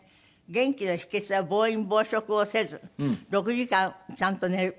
元気の秘訣は暴飲暴食をせず６時間ちゃんと寝る。